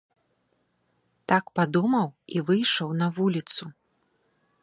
Так падумаў і выйшаў на вуліцу.